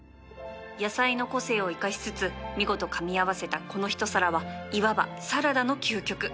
野菜の個性を生かしつつ見事かみ合わせたこの一皿はいわばサラダの究極